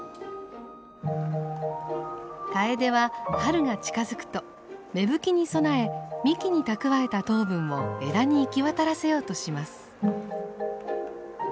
カエデは春が近づくと芽吹きに備え幹に蓄えた糖分を枝に行き渡らせようとします。